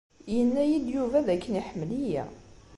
Yenna-yi-d Yuba d akken iḥemmel-iyi.